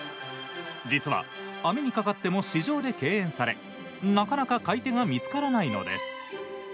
実は、網にかかっても市場で敬遠されなかなか買い手が見つからないのです。